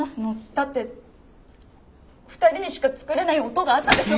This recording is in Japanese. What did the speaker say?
だって２人にしか作れない音があったでしょ？